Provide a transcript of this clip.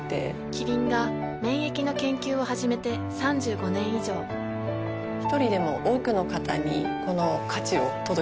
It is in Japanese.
キリンが免疫の研究を始めて３５年以上一人でも多くの方にこの価値を届けていきたいと思っています。